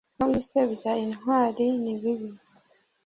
no gusebya intwari ni bibi